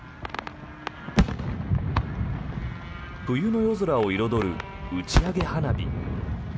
冬の夜空を彩る打ち上げ花火。